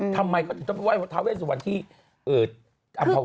ท้าเวสวรรค์ที่อำภาวะ